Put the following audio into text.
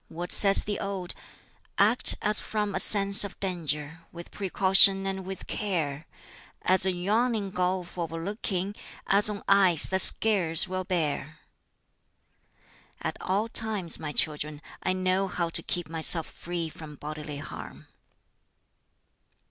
What says the Ode? 'Act as from a sense of danger, With precaution and with care, As a yawning gulf o'erlooking, As on ice that scarce will bear,' At all times, my children, I know how to keep myself free from bodily harm."